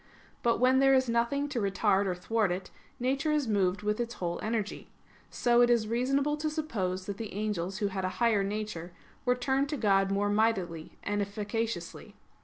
But when there is nothing to retard or thwart it, nature is moved with its whole energy. So it is reasonable to suppose that the angels who had a higher nature, were turned to God more mightily and efficaciously.